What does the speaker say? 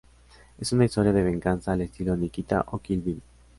Es una historia de venganza al estilo Nikita o Kill Bill.